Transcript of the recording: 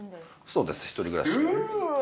そうです一人暮らしで。